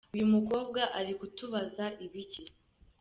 Uyu mukobwa ari kutubaza ibiki.